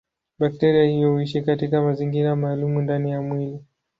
Bakteria hiyo huishi katika mazingira maalumu ndani ya mwili.